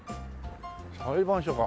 裁判所か。